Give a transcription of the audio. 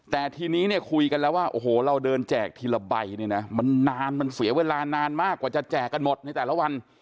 แต่ทีนี้เนี่ยคุยกันแล้วว่าโอ้โหเราเดินแจกทีละใบเนี่ยนะมันนานมันเสียเวลานานมากกว่าจะแจกกันหมดในแต่ละวัน